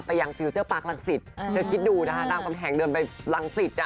ยังฟิลเจอร์ปาร์คลังศิษย์เธอคิดดูนะคะรามกำแหงเดินไปรังสิตอ่ะ